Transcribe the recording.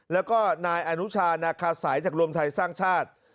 แล้วก็นายอนุชานาคาสายจากรวมไทยสร้างชาติ